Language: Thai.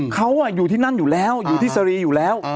เขาอยู่ที่นั่นอยู่แล้วอยู่ที่สรีอยู่แล้ว